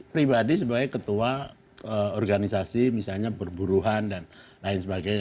pribadi sebagai ketua organisasi misalnya perburuhan dan lain sebagainya